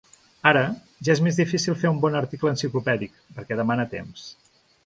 Ara, ja és més difícil fer un bon article enciclopèdic, perquè demana temps.